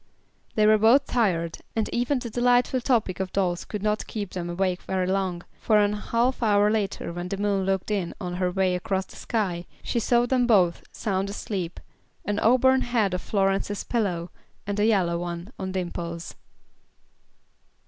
They were both tired, and even the delightful topic of dolls could not keep them awake very long, for a half hour later when the moon looked in on her way across the sky, she saw them both sound asleep, an auburn head on Florence's pillow, and a yellow one on Dimple's.